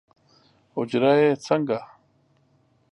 اوجره یې څنګه؟